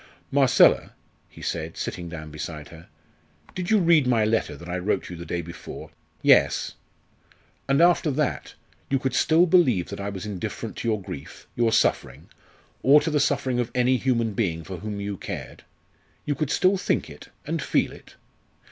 "Marcella," he said, sitting down beside her, "did you read my letter that I wrote you the day before ?" "Yes." "And after that, you could still believe that I was indifferent to your grief your suffering or to the suffering of any human being for whom you cared? You could still think it, and feel it?"